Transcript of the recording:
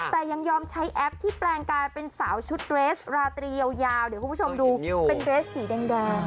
แต่ยังยอมใช้แอปที่แปลงกายเป็นสาวชุดเรสราตรียาวเดี๋ยวคุณผู้ชมดูเป็นเรสสีแดง